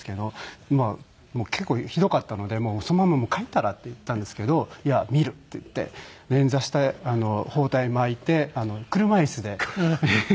結構ひどかったので「そのまま帰ったら？」って言ったんですけど「いや見る」って言って捻挫して包帯巻いて車椅子でイベントに。